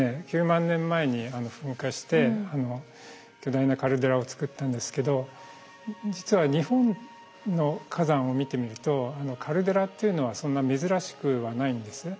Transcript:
９万年前に噴火して巨大なカルデラをつくったんですけど実は日本の火山を見てみるとカルデラっていうのはそんな珍しくはないんですね。